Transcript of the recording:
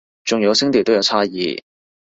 仲有聲調都有差異